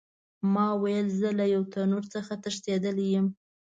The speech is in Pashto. ما ویل زه له یو تنور څخه تښتېدلی یم.